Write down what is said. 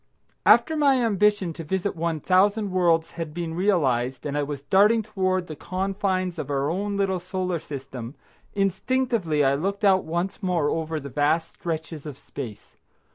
After my ambition to visit one thousand worlds had been realised, and I was darting toward the confines of our own little Solar System, instinctively I looked out once more over the vast stretches of space.